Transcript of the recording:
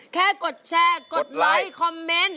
กดแชร์กดไลค์คอมเมนต์